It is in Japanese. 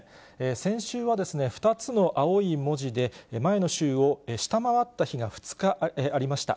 先週は２つの青い文字で、前の週を下回った日が２日ありました。